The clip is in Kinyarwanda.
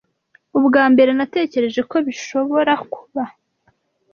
Ubwa mbere, natekereje ko bishobora kuba